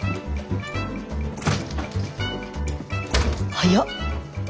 早っ！